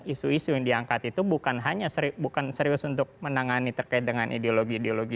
isu isu yang diangkat itu bukan serius untuk menangani terkait dengan ideologi ideologi